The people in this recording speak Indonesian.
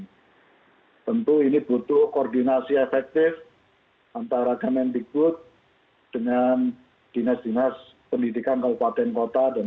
karena itu kita berharap masalah ini dituntaskan dan nanti pada tahap kedua seleksi p tiga k yang satu juta cukup besar sekali dan kelihatannya baru pertama kali ini kita akan menyelenggarakan seleksi yang sangat kolosal dan sangat besar ini